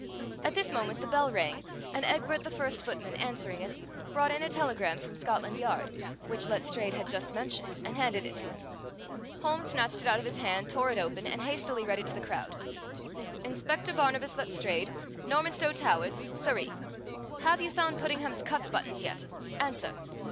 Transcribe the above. At this moment, the bell rang, and Egbert the first footman, answering it, brought in a telegram from Scotland Yard, which Letstrayed had just mentioned, and handed it to him. Holmes snatched it out of his hand, tore it open, and hastily read it to the crowd: INSPECTOR BARNABAS LETSTRAYED, NORMANSTOW TOWERS, SURREY, Have you found Puddingham's cuff buttons yet? Answer.